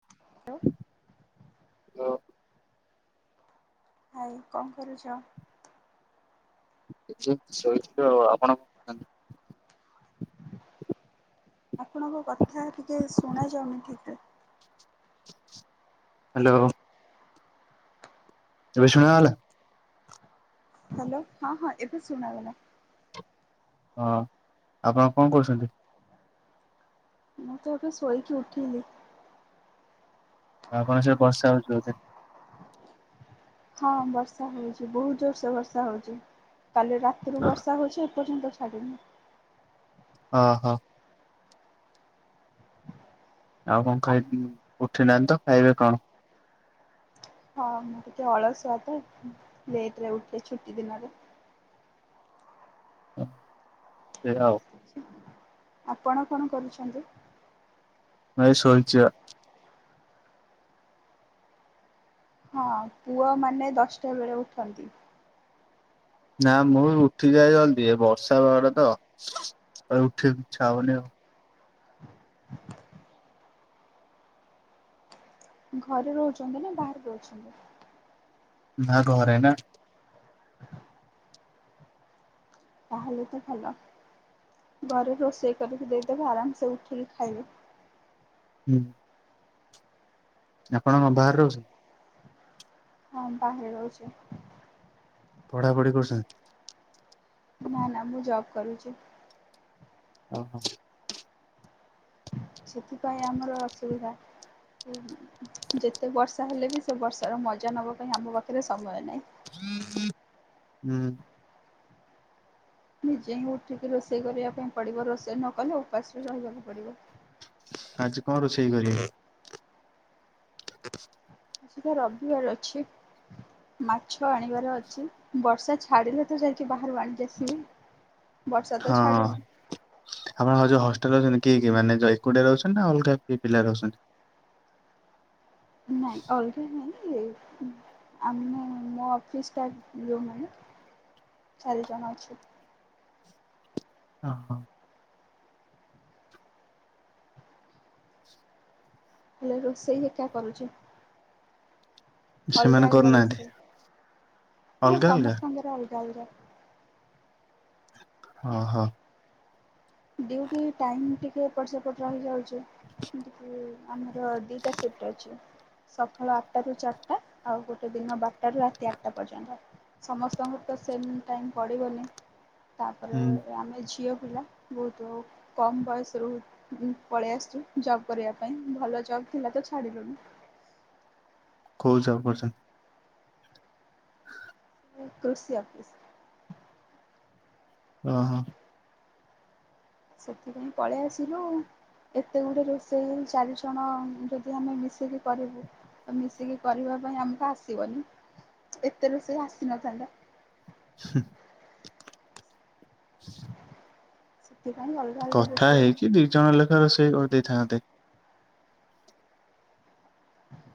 Hello. Hello. ଭାଇ କଣ କରୁଛ? ଇଠି ଶୋଇଥିଲି ଆଉ। ଆପଣ କରୁଛନ୍ତି? ଆପଣଙ୍କ କଥା ଟିକେ ଶୁଣାଯାଉନି ଠିକରେ। ହ୍ୟାଲୋ। ଏବେ ଶୁଣାଗଲା? ହ୍ୟାଲୋ। ହଁ ହଁ, ଏବେ ଶୁଣା ଗଲା। ହଁ। ଆପଣ କଣ କରୁଛନ୍ତି? ମୁଁ ତ ଏବେ ଶୋଇକି ଉଠିଲି। ଆପଣଙ୍କ ସିଆଡ଼େ ବର୍ଷା ହଉଛି ବୋଧେ? ହଁ ବର୍ଷା ହଉଛି, ବହୁତ ଜୋରସେ ବର୍ଷା ହଉଛି। କାଲି ରାତିରୁୁ ବର୍ଷା ହଉଛି ଏପର୍ଯ୍ୟନ୍ତ ଛାଡ଼ିନି। ହଁ ହଁ। ଆଉ କଣ ଖାଇପିଇ, ଉଠି ନାହାଁନ୍ତି ତ ଖାଇବେ କଣ? ହଁ ମୁଁ ଟିକେ ଅଳସୁୁଆ ତ, ଲେଟରେ ଉଠେ ଛୁଟି ଦିନରେ। ହୁଁ ସେଇରା ଆଉ। ଆପଣ କଣ କରୁଛନ୍ତି? ମୁଁ ଏଇ ଶୋଇଚି ବା। ହଁ ପୁଅମାନେ ଦଶଟା ବେଳେ ଉଠନ୍ତି। ନା ମୁଁ ଉଠିଯାଏ ଜଲ୍ଦି, ଏ ବର୍ଷା ପାଗଟା ତ, ଆଉ ଉଠିଆକୁ ଇଚ୍ଛା ହଉନି ଆଉ। ଘରେ ରହୁଛନ୍ତି ନା ବାହାରେ ରହୁଛନ୍ତି? ନା ଘରେ ନା। ତାହେଲେ ତ ଭଲ। ଘରେ ରୋଷେଇ କରିକି ଦେଇଦେବେ ଆରାମସେ ଉଠିକି ଖାଇବେ। ହୁଁ। ଆପଣ କଣ ବାହାରେ ରହୁଛନ୍ତି? ହଁ ବାହାରେ ରହୁଛି। ପଢାପଢି କରୁସନ୍ତି? ନା ନା ମୁଁ ଜବ୍ କରୁଚି। ଓହୋ। ସେଥିପାଇଁ ଆମର ଅସୁବିଧା। ଯେତେ ବର୍ଷା ହେଲେ ବି ସେ ବର୍ଷାର ମଜା ନବା ପାଇଁ ଆମ ପାଖରେ ସମୟ ନାହିଁ। ହୁଁ। ନିଜେ ହିଁ ଉଠିକି ରୋଷେଇ କରିବା ପାଇଁ ପଡିବ ରୋଷେଇ ନକଲେ ଉପାସରେ ରହିବାକୁ ପଡିବ। ଆଜି କଁ ରୋଷେଇ କରିବେ। ଆଜି ପା ରବିବାର ଅଛି। ମାଛ ଆଣିବାର ଅଛି ବର୍ଷା ଛାଡିଲେ ତ ଯାଇକି ବାହାରୁ ଆଣିିକି ଆସିବେ। [inaudible] ହଁ। ଆପଣଙ୍କର ଯୋଉ ହଷ୍ଟେଲରେ ରୋହୁଛନ୍ତି କିଏ କିଏ ମାନେ ଜ ଏକୁଟିଆ ରୋହୁଛନ୍ତି ନା ଅଲଗା କିଏ ପିଲା ରୋହୁଛନ୍ତି? ନାଇଁ ଅଲଗା ନାଇଁ ଏଇ ଆମେ ମୋ ଅଫିସ ଷ୍ଟାପ ଯୋଉ ମାନେ ଚାରି ଜଣ ଅଛୁ। ଅହଁ। ହେଲେ ରୋଷେଇ ଏକା କରୁଚି। ସେମାନେ କରୁନାହାନ୍ତି? ସିଏ ଅଲଗା ଅଲଗା ସମସ୍ତଙ୍କର ଅଲଗା ଅଲଗା। ଅହଁ। ଡିଉଟି ଟାଇମ ଟିକେ ଏପଟ ସେପଟ ରହିଯାଉଚି ତ ଟିକେ ଆମର ଦି ଟା ସିଫ୍ଟ ଅଛି। ସଖାଳ ଆଠଟାରୁ ଚାରିଟା ଆଉ ଗୋଟେ ଦିନ ବାରଟାରୁ ରାତି ଆଟା ପର୍ଯ୍ୟନ୍ତ। ସମସ୍ତଙ୍କୁ ତ ସେମ୍ ଟାଇମ୍ ପଡିବନି ତାପରେ ହୁଁ ଆମେ ଝିଅ ପିଲା ବୋହୁତୁ ଆଉ କମ ବୟସରୁ ପଳେଇ ଆସିଚୁ ଜବ୍ କରିବା ପାଇଁ ଭଲ ଜବ୍ ଥିଲା ତ ଛାଡିଲୁନୁ। କୋଉ ଜବ୍ କରୁଚନ୍ତି? ଏଇ କୃଷି ଅପିସ୍। ଅହଁ। ସେଥିପାଇଁ ପଳେଇ ଆସିଲୁ। ଏତେ ଗୁଡେ ରୋଷେଇ ଚାରିଜଣ ଯଦି ଆମେ ମିଶିକି କରିବୁ ତ ମିଶିକି କରିବା ପାଇଁ ଆମକୁ ଆସିବନି ଏତେ ରୋଷେଇ ଆସିନଥାନ୍ତା। [unintelligible] ସେଥିପାଇଁ ଅଲ୍ କଥା ହେଇକି ଦି ଜଣ ଲେଖା ରୋଷେଇ କରିଦେଇଥାନ୍ତେ।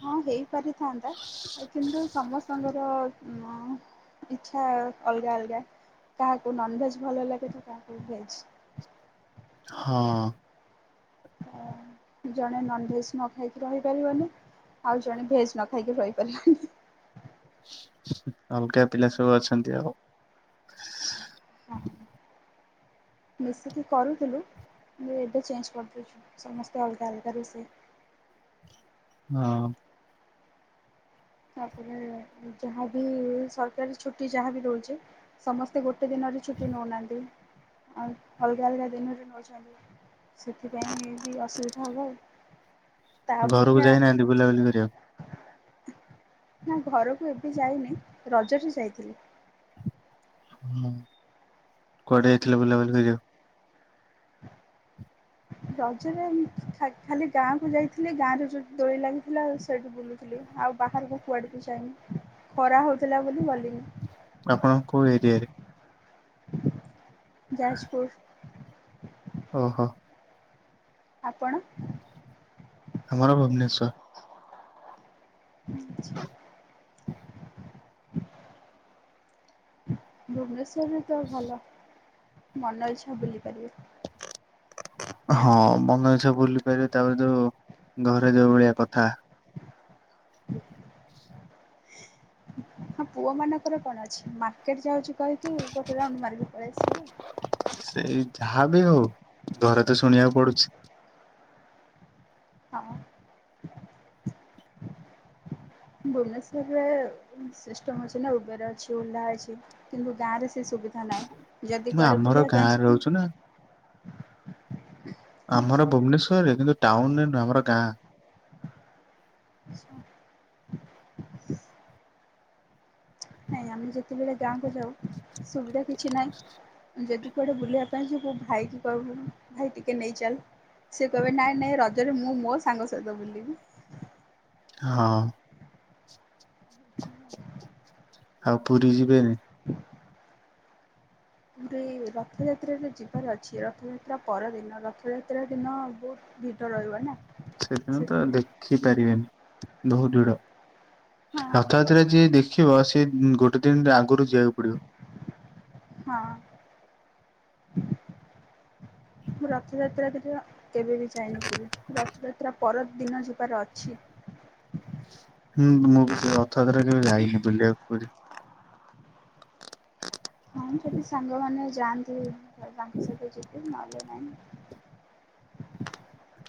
ହଁ ହେଇ ପାରିଥାନ୍ତା ଏ କିନ୍ତୁ ସମସ୍ତଙ୍କ [unintelligible] ଇଚ୍ଛା ଅଲଗା ଅଲଗା। କାହାକୁ ନନଭେଜ୍ ଭଲ ଲାଗେ ତ କାହାକୁ ଭେଜ୍। ହଁ। ଆଉ ଜଣେ ନନଭେଜ୍ ନ ଖାଇକି ରହିପାରିବନି। ଆଉ ଜଣେ ଭେଜ ନ ଖାଇକି ରହିପାରିବନି। ଅଲଗା ପିଲା ସବୁ ଅଛନ୍ତି ଆଉ। ହଁ ମିଶିକି କରୁଥିଲୁ ହେଲେ ଏବେ ଚେଞ୍ଜ କରିଦେଇଚୁ ସମସ୍ତେ ଅଲଗା ଅଲଗା ରୋଷେଇ ହଁ। ତାପରେ ଯାହାବି ସରକାରୀ ଛୁଟି ଯାହାବି ଦୋଉଚି ସମସ୍ତେ ଗୋଟେ ଦିନରେ ଛୁଟି ନେଉନାହାନ୍ତି ଆଉ ଅଲଗା ଅଲଗା ଦିନରେ ନେଉଛନ୍ତି। ସେଥିପାଇଁ ବି ଏନ୍ତିବଅସୁବିଧା ହବ ଆଉ। ତା ଘରକୁ ଅପେକ୍ଷା ଯାଇନାହାନ୍ତି ବୁଲାବୁଲି କରିବାକୁ। ନା ଘରକୁ ଏବେ ଯାଇନି ରଜରେ ଯାଇଥିଲି। ହଁ କୁଆଡେ ଯାଇଥିଲେ ବୁଲାବୁଲି କରିବାକୁ। ରଜରେ ଖାଲି ଗାଁକୁ ଯାଇଥିଲି, ଗାଁରେ ଯଉ ଦୋଳି ଲାଗିଥିଲା, ସେଇଠୁ ବୁଲୁ ଥିଲି, ଆଉ ବାହାରକୁ କୁଆଡ଼େକୁ ଯାଇନି ଖରା ହେଉଥିଲା ବୋଲି ଗଲିନି। ଆପଣ କୋଉ ଏରିଆରେ? ଯାଜପୁର୍। ଓହୋ ଆପଣ? ଆମର ଭୁବନେଶ୍ଵର। ଆଛା। ଭୁବନେଶ୍ଵରରେ ତ ଭଲ ମନ ଇଛା ବୁଲି ପାରିବେ। ହଁ ମନ ଇଛା ବୁଲି ପାରିବେ, ତାପରେ ଯୋଉ ଘରେ ଯୋଉ ଭଳିଆ କଥା ହଁ ପୁଅ ମାନଙ୍କର କଣ ଅଛି ମାର୍କେଟ ଯାଉଛି କହିକି ଗୋଟେ ରାଉଣ୍ଡ ମାରିକି ପଳେଇ ଆସିବେ। ସେଇ ଯାହା ବି ହଉ ଘରେ ତ ଶୁଣିବାକୁ ପଡୁଛି। [unintelligible] ଭୁବନେଶ୍ଵରରେ ସିଷ୍ଟମ ଅଛି ନା ଉବେର ଅଛି, ଓଲା ଅଛି। କିନ୍ତୁ ଗାଁରେ ସେ ସୁବିଧା ନାହିଁ, ଯଦି ମୁଁ କୁଆଡେ ଆମର ବୁଲିବା ପାଇଁ ଗାଁରେ ଯିବୁ ରହୁଛୁ ନା ଆମର ଭୁବନେଶ୍ୱରରେ କିନ୍ତୁ ଟାଉନରେ ନୁହଁ ଆମର ଗାଁ। ଆଛା ନାଇଁ ଆମେ ଯେତେବେଳେ ଗାଁକୁ ଯାଉ, ସୁବିଧା କିଛି ନାହିଁ। ଯଦି କୁଆଡେ ବୁଲିବା ପାଇଁ ଯିବୁ, ଭାଇକୁ କହିବୁ ଭାଇ ଟିକେ ନେଇ ଚାଲ। ସେ କହିବେ ନାଇଁ ନାଇଁ ରଜରେ ମୁଁ ମୋ ସାଙ୍ଗ ସହିତ ବୁଲିବି। ହଁ ଅ ଆଉ ପୁରୀ ଯିବେନି? ଏ ରଥଯାତ୍ରାରେ ଯିବାର ଅଛି, ରଥଯାତ୍ରା ପରଦିନ, ରଥଯାତ୍ରା ଦିନ ବହୁତ ଭିଡ଼ ରହିବ ନା? ସେଥିପାଇଁ ତ ଦେଖିପାରିବେନି, ବହୁତ ଭିଡ଼, ହଁ ହଠାତ୍ ସେରେ ଯିଏ ଦେଖିବ ସିଏ ଗୋଟେ ଦିନରେ ଆଗରୁ ଯିବାକୁ ପଡିବ। ହଁ ଅ ମୁଁ ରଥଯାତ୍ରାରେ କେବେ ବି ଯାଇନି ପୁରୀ, ରଥଯାତ୍ରା ପରଦିନ ଯିବାର ଅଛି। ହୁଁ ମୁଁ ବି ରଥଯାତ୍ରା କେବେ ଯାଇନି ବୁଲିବାକୁ ପୁରୀ। ହଁ ଯଦି ସାଙ୍ଗମାନେ ଯାଆନ୍ତି, ତାଙ୍କ ସହିତ ଯିବି, ନହେଲେ ନାହିଁ।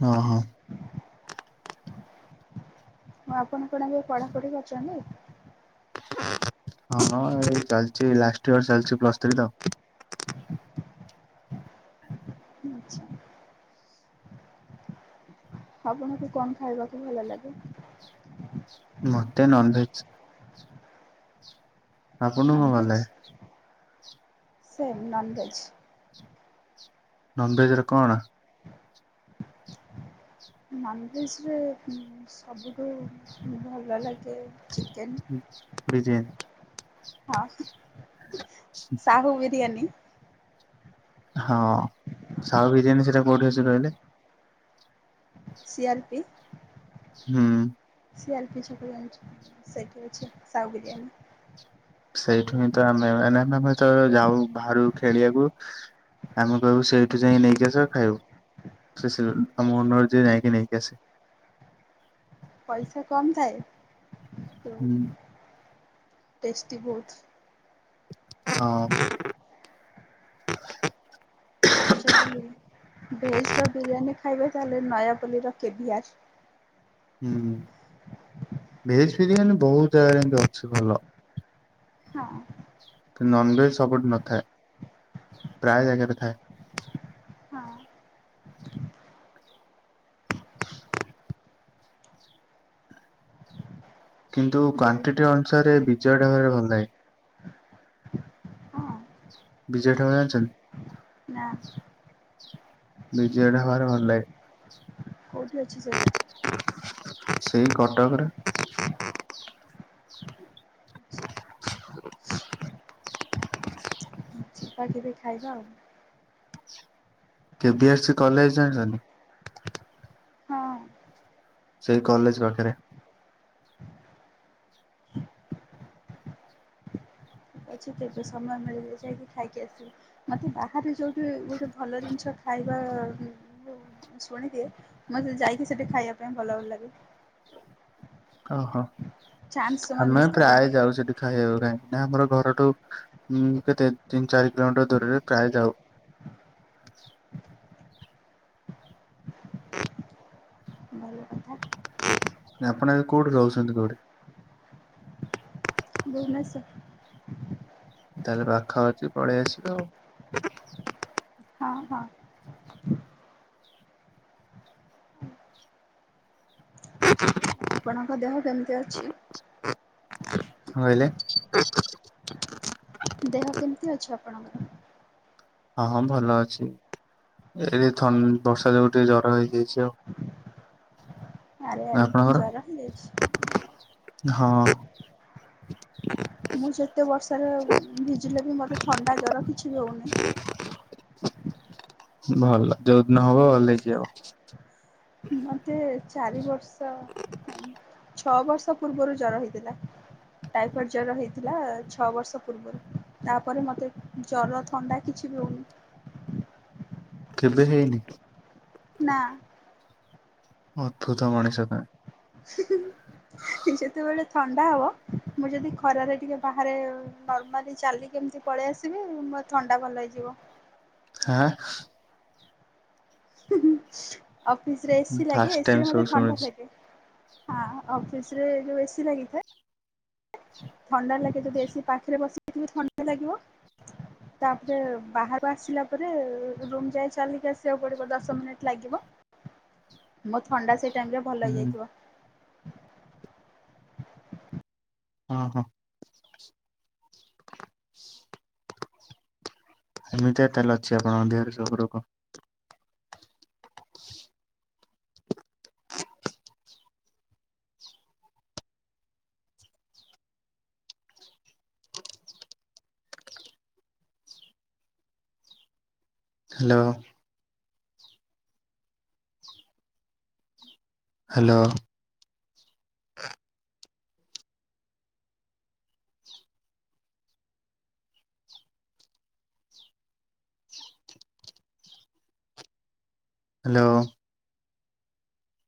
ହଁ ହଁ ହଁ ଆପଣ କଣ ଏବେ ପଢାପଢି କରୁଚନ୍ତି? ହଁ ଏଇ ଚାଲିଛି ଲାଷ୍ଟ ଇୟର ଚାଲିଛି ପ୍ଲସ୍ ଥ୍ରୀ ତ - ଆଛା, ଆପଣଙ୍କୁ କଣ ଖାଇବାକୁ ଭଲ ଲାଗେ? ମତେ ନନ୍ ଭେଜ୍ ଆପଣଙ୍କୁ ନନ୍ କଣ ଭଲ ଭେଜ୍ ଲାଗେ ସେ ନନ୍ ଭେଜ୍ ନନ୍ ଭେଜ୍ ରେ କଣ? ନଜ୍ ଭେଜ୍ ରେ ସବୁଠୁ ଭଲ ଲାଗେ ଚିକେନ୍। [unintelligible] ଡିଜ଼ାଇନି। ହଁ ସାହୁ ବିରିୟାନୀ ହଁ ସାହୁ ବିରିୟାନୀ ସେଇଟା କାଉଠି ଅଛି କହିଲେ? ସି ଆର ପି ହୁଁ ଉଁ ସି ଆର ପି ଛକ ଜାଣିଚି, ସେଠି ଅଛି ସାହୁ ବିିରିୟାନୀ। ସେଇଠୁ ହିଁ ତ ଆମେ ମାନେ, ଆମେ ତ ଯାଉ ବାହାରୁ ଖେଳିବାକୁ ଆମେ କହିବୁ ସେଇଠୁ ଯାଇ ନେଇକି ଆସ ଖାଇବ ସେ ସିଲି ଆମ ମନ ହେଇଚି ଯାଇକି ନେଇକି ଆସେ ପଇସା କମ ଥାଏ ତ ହୁଁ ଟେଷ୍ଟି ବହୁତ। ହଁ ଆଉ ଯଦି ଭେଜ୍ ର ବିରିୟାନୀ ଖାଇବେ ତାହେଲେ ନୟାପଲ୍ଲୀର କେଭି ଆର୍ ହୁଁ ଭେଜ୍ ବିରିୟାନୀ ବହୁତ ଜାଗାରେ ଏମିତି ଅଛି ଭଲ। ହଁ। ନନଭେଜ୍ ସବୁଠି ନଥାଏ ପ୍ରାୟ ଜାଗାରେ ଥାଏ। ହଁ କିନ୍ତୁ ବୁଲ କ୍ୱାଣ୍ଟିଟି ଅନୁସାରେ ବିଜୟ ଢାବାରେ ଭଲଲାଗେ। ହଁ ବିଜୟ ଢ଼ାବା ନା ଜାଣିଛନ୍ତି? ବିଜୟ ଢ଼ାବାରେ ଭଲ ଲାଗେ। କୋଉଠି ଅଛି ସେଇଟା? ସେଇ କଟକରେ। ଯିବା କେବେ ଖାଇବା ଆଉ। କେବି ଏସ୍ ସି କଲେଜ ଜାଣିଛନ୍ତି? ହଁ। ସେଇ କଲେଜ ପାଖରେ। ଆଚ୍ଛା କେବେ ସମୟ ମିଳିବ ଯାଇକି ଖାଇକି ଆସିବ। ମୋତେ ବାହାରେ ଯୋଉଠି ଗୋଟେ ଭଲ ଜିନିଷ ଖାଇବା [inaudible] ଶୁଣିଦିଏ ମତେ ଯାଇକି ସେଠି ଖାଇବା ପାଇଁ ଭଲ ଭଲ ଲାଗେ। ହଁ-ହଁ, ଚାନ୍ସ ଜମା ଆମେ ମିସ୍ କରେନି ପ୍ରାୟ ଯାଉ ସେଠିକି। ଖାଇବାକୁ କାହିଁକିନା ଆମର ଘରଠୁ ଉଁ କେତେ ତିନ୍ ଚାରି କିଲୋମିଟର ଦୂରରେ, ପ୍ରାୟ ଯାଉ। ଭଲ କଥା। ନା ଆପଣ ଏବେ କୋଉଠି ରହୁଛନ୍ତି କୋଉଠି? ଭୁବନେଶ୍ୱର। ତାହେଲେ ପାଖ ଅଛି ପଳେଇ ଆସିବେ ଆଉ। ହଁ-ହଁ। [inaudible] ଆପଣଙ୍କ ଦେହ କେମିତି ଅଛି? କଣ କହିଲେ? ଦେହ କେମିତି ଅଛି ଆପଣଙ୍କର? ହଁ-ହଁ ଭଲ ଅଛି। ଏଇଠି ଥନ୍ ବର୍ଷା ଯୋଗୁ ଟିକେ ଜର ହେଇଯାଇଛି ଆଉ। ଆରେ ଆରେ ଆପଣଙ୍କର? ଜର ହେଇଯାଇଛି। ହଁ। ମୁଁ ଯେତେ ବର୍ଷାରେ ଭିଜିଲେ ବି ମୋତେ ଥଣ୍ଡା ଜର କିଛି ବି ହଉନି। ଭଲ ଯୋଉଦିନ ହବ ଭଲେଇକି ହବ। ମୋତେ ଚାରି ବର୍ଷ ନାଇଁ ଛଅ ବର୍ଷ ପୂର୍ବରୁ ଜର ହେଇଥିଲା। ଟାଇଫଏଡ଼ ଜର ହେଇଥିଲା ଛଅ ବର୍ଷ ପୂର୍ବରୁ ତାପରେ ମତେ ଜର ଥଣ୍ଡା କିଛି ବି ହଉନି। କେବେ ହେଇନି? ନା। ଅଦ୍ଭୁତ ମଣିଷ ତମେ। ହୁଁ-ହୁଁ ଯେତେବେଳେ ଥଣ୍ଡା ହବ ମୁଁ ଯଦି ଖରାରେ ଟିକେ ବାହାରେ ନର୍ମାଲି ଚାଲିକି ଏମିତି ପଳେଇ ଆସିବି ମୋ ଥଣ୍ଡା ଭଲ ହେଇଯିବ। ହ୍ୟାଁ? ହୁଁ-ହୁଁ, ଅଫିସରେ ଏସିି ଲାଗେ ଫାଷ୍ଟ ଟାଇମ ଏସିିରେ ସବୁ ମତେ ଥଣ୍ଡା ଶୁଣୁଛି ଲାଗେ। ହଁ ଅଫିସରେ ଯୋଉ ଏସି ଲାଗିଥାଏ। ଥଣ୍ଡା ଲାଗେ ଯଦି ଏସି ପାଖରେ ବସିବି ଟିକେ ଥଣ୍ଡା ଲାଗିବ। ତାପରେ ବାହାର ଆସିଲା ପରେ ରୁମ ଯାଏଁ ଚାଲିକି ଆସିବାକୁ ପଡିବ ଦଶ ମିନିଟ ଲାଗିବ। ମୋ ଥଣ୍ଡା ସେଇ ଟାଇମରେ ଭଲ ହୁଁ ହେଇଯାଇଥିବ। ହଁ- ହଁ। ଏମିତିଆ ତେଲ ଅଛି ଆପଣଙ୍କ ଦେହରେ ସବୁ ରୋକ ହ୍ୟାଲୋ। ହ୍ୟାଲୋ। ହ୍ୟାଲୋ।